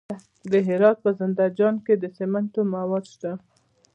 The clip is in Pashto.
د هرات په زنده جان کې د سمنټو مواد شته.